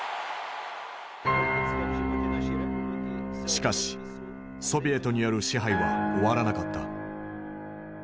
しかしソビエトによる支配は終わらなかった。